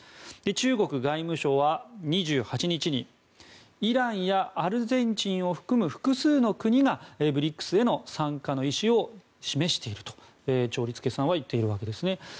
中国外務省は２８日にイランやアルゼンチンを含む複数の国がＢＲＩＣＳへの参加の意思を示しているということをチョウ・リツケンさんは言っています。